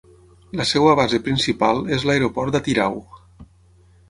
La seva base principal és l'aeroport d'Atyrau.